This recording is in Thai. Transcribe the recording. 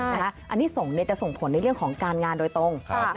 อันนี้ส่งจะส่งผลในเรื่องของการงานโดยตรง